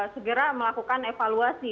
segera melakukan evaluasi